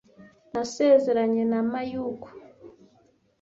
Nasezeranye na Mayuko.